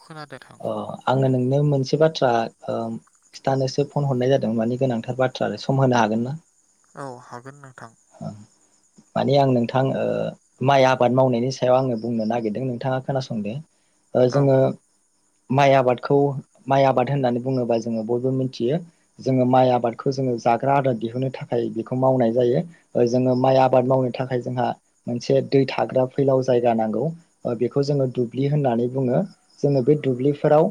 खोनादों नोंथां अ आङो नोंनो मोनस से बाथ्रा ओम खिथानोसो फन हरनाय जादों मानि गोनांथार बाथ्रा आरो सम होनो हागोन ना? औ हागोन नोंथां। माने आं नोंथां ओ माइ आबाद मावनायनि सायाव आङो बुंनो नागिरदों नोंथाङा खोनासं दे। ओ औ जोङो - माइ आबादखौ माइ आबाद होननानै बुङोबा जोङो बयबो मोनथियो जोङो माइ आबादखौ जोङो जाग्रा आदार दिहुनो थाखाय बेखौ मावनाय जायो। जोङो माइ आबाद मावनो थाखाय जोंहा मोनसे दै थाग्रा फैलाव जायगा नांगौ बेखौ जोङो दुब्लि होननानै बुङो जोङो बे दुब्लिफोराव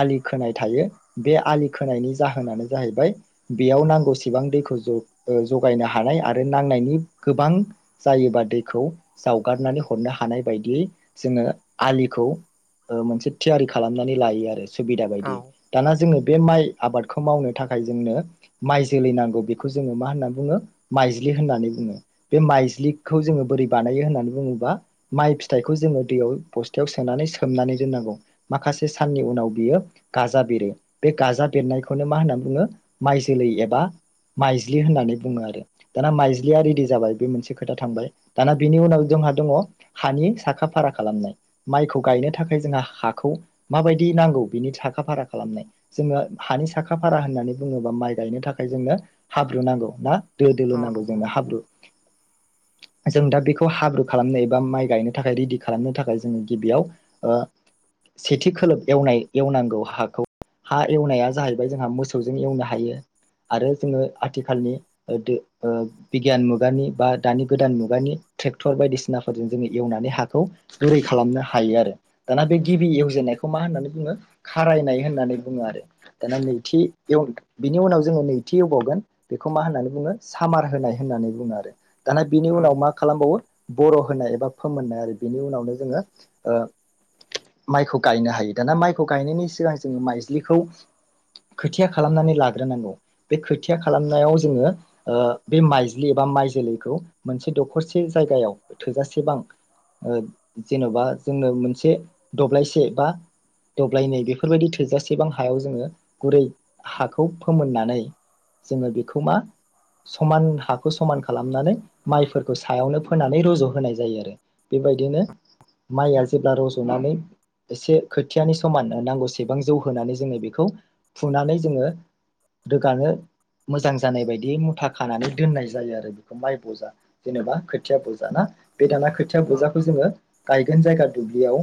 आलि खोनाय थायो बे आलि खोनायनि जाहोनानो जाहैबाय बेयाव नांगौसेबां दैखौ ज ओ जगायनो हानाय आरो नांनायनि गोबां जायोबा दैखौ जावगारनानै हरनो हानाय बायदियै जोङो आलिखौ ओ मोनसे थियारि खालामनानै लायो आरो। सुबिदा औ बायदि दाना जोङो बे माइ आबादखौ मावनो थाखाय जोंनो माइ जोलै नांगौ बेखौ जोङो मा होनना बुङो? माइज्लि होननानै बुङो बे माइज्लिखौ जोङो बोरै बानायो होननानै बुङोब्ला माइ फिथाइखौ जोङो दैयाव बस्थायाव सोनानै सोमनानै दोननांगौ माखासे साननि उनाव बियो गाजा बेरो बे गाजा बेरनायखौनो मा होननानै बुङो माइ जोलै एबा माइज्लि होननानै बुङो आरो। दाना माइज्लिया रेडि जाबाय बे मोनसे खोथा थांबाय दाना बिनि उनाव जोंहा दङ हानि साखा फारा खालामनाय माइखौ गायनो थाखाय जोंहा हाखौ माबायदि नांगौ बिनि साखा फारा खालामनाय जोङो हानि साखा फारा होननानै बुङोबा माइ गायनो थाखाय जोंनो हाब्रु नांगौ ना? दो दोलो औ नांगौ नंगौ जोंनो हाब्रु। जों दा बेखौ हाब्रु खालामनो एबा माइ गायनो थाखाय रेडि खालामनो थाखाय जोङो गिबियाव ओ सेथि खोलोब एवनाय एवनांगौ हाखौ हा एवनाया जाहैबाय जोंहा मोसौजों एवनो हायो आरो जोङो आथिखालनि ओ दो ओ बिगियान मुगानि बा दानि गोदान मुगानि ट्रेक्टर बायदिसिनाफोरजों जोङो एवनानै हाखौ गुरै खालामनो हायो आरो दाना बे गिबि एवजेननायखौ मा होननानै बुङो खारायनाय होननानै बुङो आरो दाना नैथि एव बिनि उनाव जोङो नैथि एवबावगोन बेखौ मा होननानै बुङो सामार होनाय होननानै बुङो आरो। दाना बिनि औ उनाव मा खालामबावो बर' होनाय एबा फोमोननाय आरो बेनि उनावनो जोङो माइखौ गायनो हायो दाना माइखौ गायनायनि सिगां जोङो माइज्लिखौ खोथिया खालामनानै लाग्रोनांगौ बे खोथिया खालामनायाव जोङो ओ बे माइज्लि बा माइ जोलैखौ मोनसे दखरसे जायगायाव थोजासेबां ओ जेन'बा जोङो मोनसे दब्लायसे बा दब्लायनै बेफोरबायदि थोजासेबां हायाव जोङो गुरै हाखौ फोमोननानै जोङो बेखौ मा समान हाखौ समान खालामनानै माइफोरखौ सायावनो फोनानै रज' होनोनाय जायो आरो बेबायदिनो माइआ जेब्ला रज'नानै एसे खोथियानि समान नांगौसेबां जौहोनानै जोङो बेखौ फुनानै जोङो रोगानो मोजां जानाय बायदि मु थाखानानै दोननाय जायो आरो बेखौ माइ बजा जेनेबा खोथिया बजा ना बे दाना खोथिया बजाखौ जोङो गायगोन जायगा दुब्लियाव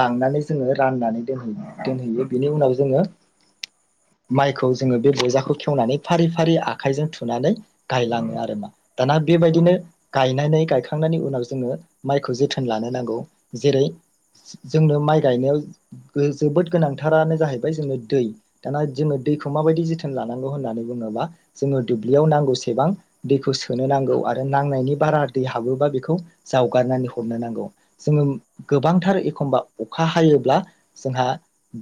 लांनानै जोङो राननानै दोनहै दोनहैयो बेनि उनाव जोङो माइखौ जोङो बे बजाखौ खेवनानै फारि फारि आखाइजों थुनानै गायलाङो आरोमा दाना बेबायदिनो गायनानै गायखांनायनि उनाव जोङो माइखौ जोथोन लानो नांगौ जेरै जोंनो माइ गायनायाव जोबोद गोनांथारानो जाहैबाय जोंनो दै दाना जोङो दैखौ माबायदि जोथोन लानांगौ होननानै बुङोबा जोङो दुब्लियाव नांगौ एसेबां दैखौ सोनो नांगौ आरो नांनायनि बारा दै हाबोबा बेखौ जावगारनानै हरनो नांगौ जोङो गोबांथार एखमबा अखा हायोब्ला जोंहा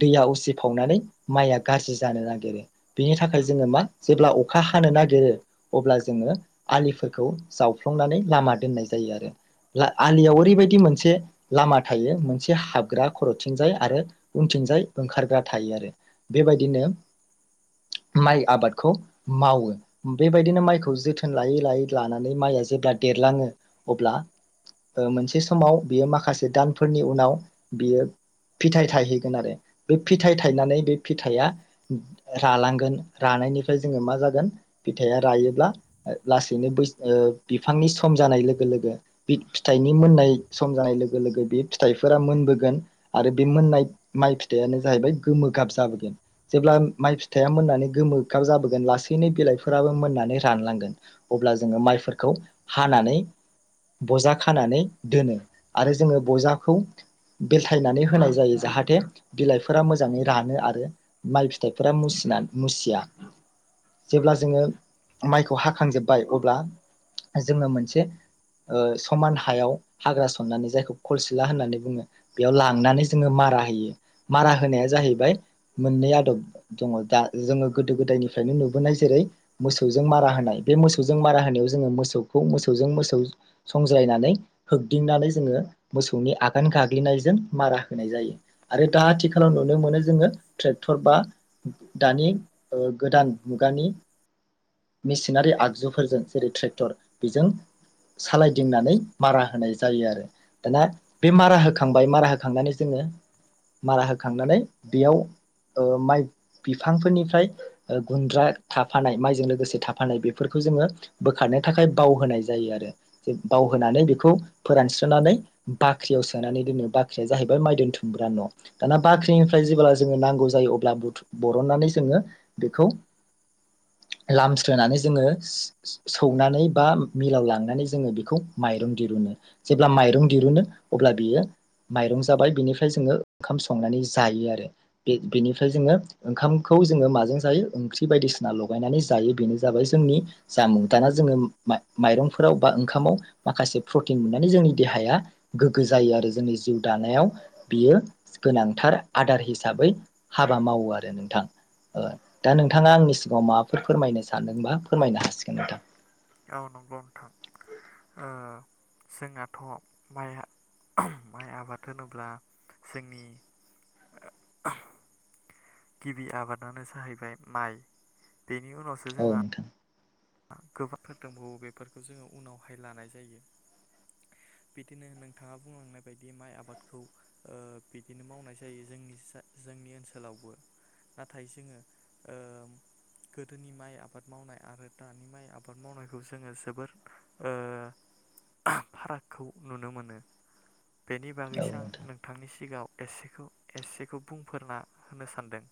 दैया उसिफावनानै माइया गाज्रि जानो नागिरो बेनि थाखाय जोङो मा जेब्ला अखा हानो नागिरो अब्ला जोङो आलिफोरखौ जावफ्लंनानै लामा दोननाय जायो आरो आलियाव ओरैबायदि मोनसे लामा थायो मोनसे हाबग्रा खर'थिंजाय आरो उनथिंजाय ओंखारग्रा थायो आरो बेबायदिनो माइ आबादखौ मावो बेबायदिनो माइखौ जोथोन लायै लायै लानानै माइआ जेब्ला देरलाङो अब्ला ओ मोनसे समाव बियो माखासे दानफोरनि उनाव बियो फिथाइ थायहैगोन आरो बे फिथाइ थायनानै बे फिथाइया रालांगोन रानायनिफ्राय जोङो मा जागोन फिथाइआ रायोब्ला लासैनो बैस ओ बिफांनि सम जानाय लोगो लोगो फिथाइनि मोननाय सम जानाय लोगो लोगो बे फिथाइफोरा मोनबोगोन आरो बे मोननाय माइ फिथाइयानो जाहैबाय गोमोगाब जाबोगोन जेब्ला माइ फिथाइया मोननानै गोमोगाब जाबोगोन लासैनो बिलाइफोर फोराबो मोननानै रानलांगोन अब्ला जोङो माइफोरखौ हानानै बजा खानानै दोनो आरो जोङो बजाखौ बेलथायनानै होनाय जायो जाहाथे बिलाइफोरा मोजाङै रानो आरो माइ फिथाइफोरा मुसिना मुसिया जेब्ला जो जोङो माइखौ हाखांजोबबाय अब्ला जोङो मोनसे ओ समान हायाव हाग्रा सननानै जायखौ खलसिला होननानै बुङो बेयाव लांनानै जोङो मारा होयो मारा होनाया जाहैबाय मोननै आदब दङ दा जोङो गोदो गोदायनिफ्रायनो नुबोनाय जेरै मोसौजों मारा होनाय बे मोसौजों मारा होनायाव जोङो मोसौखौ मोसौजों मोसौ संज्रायनानै होग्दिंनानै जोङो मोसौनि आगान गाग्लिनायजों मारा होनाय जायो आरो दा आथिखालाव नुनो मोनो जोङो ट्रेक्टर बा दानि ओ गोदान मुगानि मेसिनारि आगजुफोरजों जेरै ट्रेक्टर बेजों सालायदिंनानै मारा होनाय जायो आरो दाना बे मारा होखांबाय मारा होखांनानै जोङो मारा होखांनानै बेयाव ओ माइ बिफांफोरनिफ्राय ओ गुनद्रा थानाय माइजों लोगोसे थाफानाय बेफोरखौ जोङो बोखारनो थाखाय बावहोनाय जायो आरो जे बावहोनानै बेखौ फोरानस्रोनानै बाख्रियाव सोनानै दोनो बाख्रिया जाहैबाय माइ दोनथुमग्रा न' दाना बाख्रिनिफ्राय जेब्ला जोङो नांगौ जायो अब्ला बुथु बरननानै जोङो बेखौ लामस्रोनानै जोङो सो-सौनानै बा मिलाव लांनानै जोङो बेखौ माइरं दिरुनो जेब्ला माइरं दिरुनो अब्ला बेयो माइरं जाबाय बेनिफ्राय जोङो ओंखाम संनानै जायो आरो बे बेनिफ्राय जोङो ओंखामखौ जोङो माजों जायो ओंख्रि बायदिसि ना लगायनानै जायो बेनो जाबाय जोंनि जामुं दाना जोङो मा-माय माइरंफोराव बा ओंखामाव माखासे प्रटिन मोननानै जोंनि देहाया गोग्गो जायो आरो जोंनि जिउ दानायाव बियो गोनांथार आदार हिसाबै हाबा मावो आरो नोंथां ओ दा नोंथाङा आंनि अ माबाफोर फोरमायनो सानदोंबा औ फोरमायनो हासिगोन नोंथां औ नंगौ नोंथां ओ जोंनाथ' माइ माइ आबाद होनोब्ला जोंनि गिबि आबादानो जाहैबाय माइ बेनि उनावसो औ जोंहा नोंथां गोबोरफोर दंबावो बेफोरखौ जोङो उनावहाय लानाय जायो बिदिनो नोंथाङा बुंलांनाय बायदि माइ आबादखौ बिदिनो मावनाय जायो जोंनि जोंनि ओनसोलावबो नाथाय जोङो ओ गोदोनि माइ आबाद मावनाय आरो दानि माइ आबाद मावनायखौ जोङो जोबोर ओ फारागखौ नुनो मोनो बेनि औ बागैसो आं नोंथां नोंथांनि सिगाव एसेखौ एसेखौ बुंफोरना होनो सानदों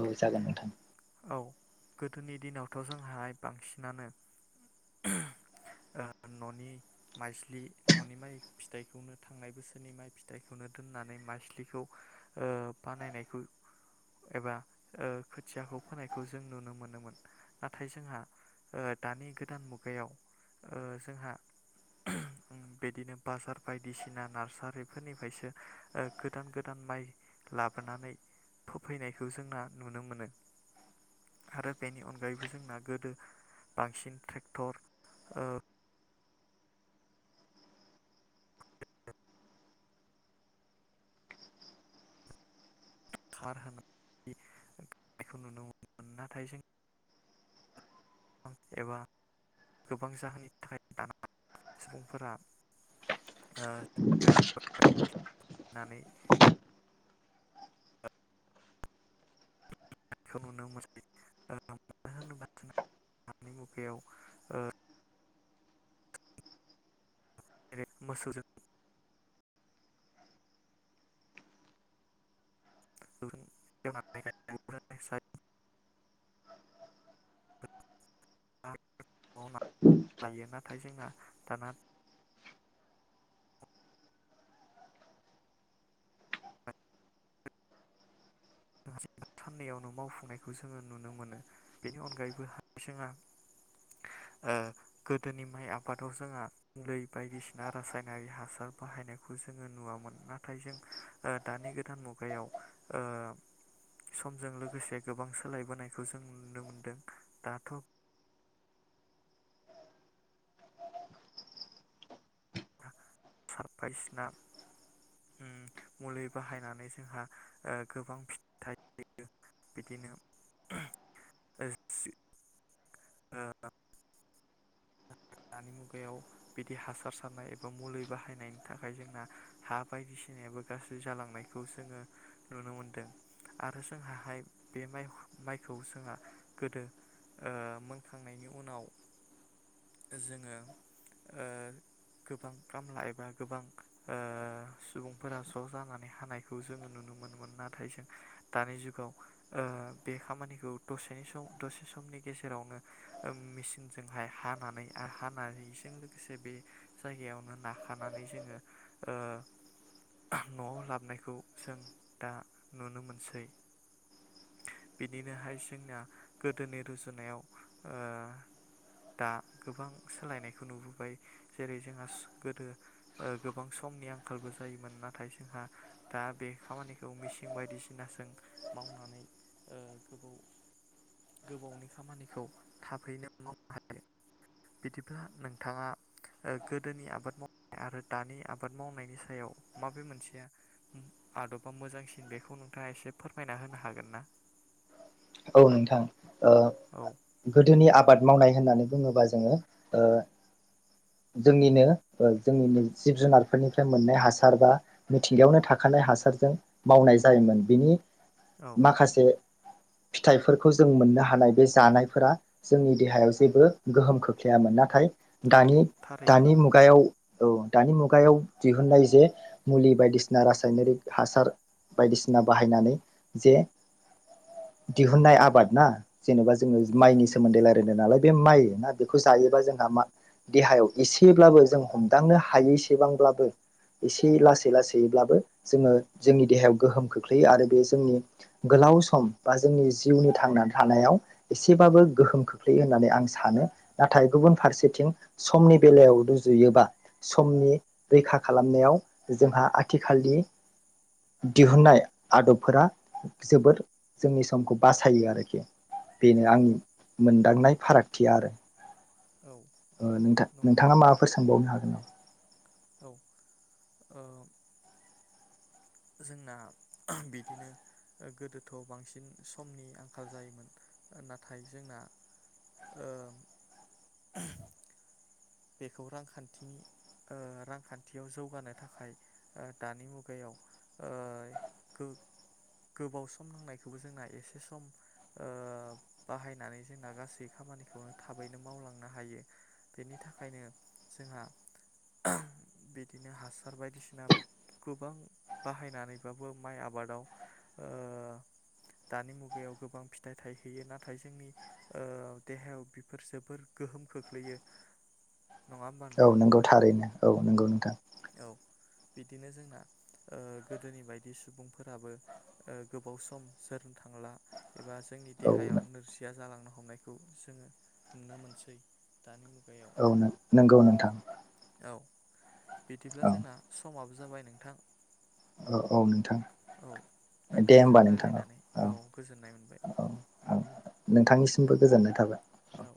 औ जागोन नोंथां औ गोदोनि दिनावथ' जोंहाय बांसिनानो ओ न'नि माइज्लि न'नि माइ फिथाइखौनो थांनाय बोसोरनि माइ फिथाइखौनो दोननानै माइज्लिखौ बानायनायखौ एबा ओ खोथियाखौ फोनायखौ जों नुनो मोनोमोन नाथाय जोंहा ओ दानि गोदान मुगायाव‌ ओ जोंहा बिदिनो बाजार बायदिसिना नार्सारिफोरनिफ्रायसो ओ गोदान गोदान माइ लाबोनानै फोफैनायखौ जोंना नुनो मोनो आरो बेनि अनगायैबो जोंना गोदो बांसिन ट्रेक्टर ओ खार होनाय गायनायखौ नुनो मोनोन नाथाय जों एबा गोबां जाहोननि थाखाय दाना सुबुंफोरा ओ [unintelligible] नानै [unintelligible] खौ नुनो [unintelligible] मानो होनोबा दानि मुगायाव ओ जेरै मोसौजों [unintelligible] औ न लायो ना थाय जोंना थाना [unintelligible] साननैयावनो मावफुंनायखौ जोङो नुनो मोनो बेनि अनगायैबो जोंहा ओ गोदोनि माइ आबादाव जोंहा बायदिसिना रासायनारि हासार बाहायनायखौ जोङो नुवामोन नाथाय जों ओ दानि गोदान मुगायाव ओ समजों लोगोसे गोबां सोलायबोनायखौ जों नुनो मोनदों दाथ' बायसिना ओ मुलि बाहायनानै जोंहा गोबां फिथाइ मोनो बिदिनो [unintelligible] ओ दानि मुगायाव बिदि हासार सारनाय एबा मुलि बाहायनायनि थाखाय जोंना हा बायदिसिनायाबो गाज्रि जालांनायखौ जोङो नुनो मोनदों आरो जोंहाहाय बे माइखौ जोंहा गोदो मोनखांनायनि उनाव जोङो ओ गोबां खामला एबा गोबां ओ सुबुंफोरा ज' जानानै हानायखौ जोङो नुनो मोनोमोन नाथाय जों दानि जुगाव ओ बे खामानिखौ दसे सम दसे समनि गेजेरावनो मेसिनजोंहाय हा हानानै आरो हाना होयिजों लोगोसे बे जायगायावनो नाखानानै जोङो ओ न'आव लाबनायखौ जों दा नुनो मोनसै बिदिनोहाय जोंना गोदोनि रुजुनायाव ओ दा गोबां सोलायनायखौ नुबोबाय जेरै जोंहा गोदो ओ गोबां समनि आंखालबो जायोमोन नाथाय जोंहा दा बे खामानिखौ मिसिं बायदिसिनाजों मावनानै ओ गोबाव गोबावनि खामानिखौ थाबैनो मावनो हा यो बिदिब्ला नोंथाङा गोदोनि आबाद मावनाय आरो दानि आबाद मावनायनि सायाव माबे मोनसेआ आदबा मोजांसिन बेखौ नोंथाङा एसे फोरमायना होनो हागोन? ना औ नोंथां ओ औ गोदोनि आबाद मावनाय होननानै बुङोबा जोङो जोंनिनो जोंनिनो जिब जुनारफोरनिफ्राय मोननाय हासार बा मिथिंगायावनो थाखानाय हासारजों मावनाय जायोमोन बिनि औ माखासे फिथाइफोरखौ जों मोननो हानाय बे जानायफोरा जोंनि देहायाव जेबो गोहोम खोख्लैयामोन नाथाय औ दानि थारैनो दानि मुगायाव औ दानि मुगायाव दिहुननाय जे मुलि बायदिसिना रासायनारिक हासार बायदिसिना बाहायनानै जे दिहुननाय आबाद ना जेनेबा जो औ माइनि सोमोन्दै ला दोनोनालाय बे माइ ना बेखौ जायोबा जोंहा मा देहायाव एसेब्लाबो जों हमदांनो हायैसेबांब्लाबो एसे लासै लासैब्लाबो जोङो जोंनि देहायाव गोहोम खोख्लैयो आरो बे जोंनि गोलाव सम बा जोंनि जिउनि थांनानै थानायाव एसेबाबो गोहोम खोख्लैयो होननानै आं सानो नाथाय गुबुन फारसेथिं समनि बेलायाव रुजुयोबा जोंनि समखौ बासायो आरोखि बेनो औ आंनि मोनदांनाय फारागथिया आरो औ नोंथां नंगौ नोंथाङा नोंथां माबाफोर सोंबावनो हागोन नामा? औ ओ जोंना बिदिनो गोदोथ' बांसिन समनि आंखाल जायोमोन नाथाय जोंना बेखौ रांखान्थिनि रांखान्थियाव जौगानो थाखाय दानि मुगायाव गोबाव सम नांनायखौबो जोंना एसे सम बाहायनानै जोंना गासै खामानिखौनो थाबैनो मावलांनो हायो बेनि बिनि थाखायनो जोंहा बिदिनो हासार बायदिसिना गोबां बाहायनानैबाबो माइ आबादाव दानि मुगायाव गोबां फिथाइ थायहैयो नाथाय जोंनि देहायाव बेफोर जोबोर गोहोम खोख्लैयो नङा होमबा औ नोंथां नंगौ थारैनो औ नंगौ न थां औ बिदिनो जोंना गोदोनि बायदि सुबुंफोराबो गोबाव सम जोरनो थांला एबा जोंनि औ देहायाव नोरजिया जालां हमनायखौ जोङो नुनो मोनसै दानि मुगायाव औ नंगौ नोंथां औ बिदिब्ला औ जोंना समाबो जाबाय नोंथां औ औ नोंथां औ दे नोंथांजों होमबा नोंथां रायलायनानै औ गोजोननाय मोनबाय आं नोंथांनिसिमबो गोजोननाय थाबाय औ